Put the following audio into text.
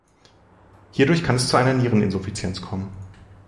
Hierdurch kann es zu einer Niereninsuffizienz kommen.